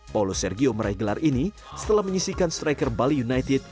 paulo sergio meregelar ini setelah menyisikan striker bali united